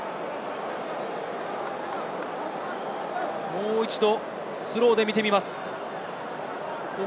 もう一度、スローで見てみます。